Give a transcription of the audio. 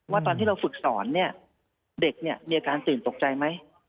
ว่าตอนที่เราฝึกสอนเด็กมีอาการตื่นตกใจไหม